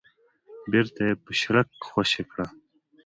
بېرته يې په شړک خوشې کړه.